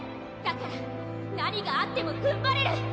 だから何があってもふんばれる！